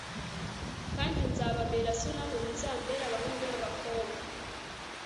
kandi nzababera so, namwe muzambere abahungu n'abakobwa